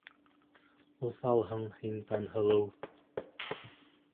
Уҫалһың һин, Таңһылыу!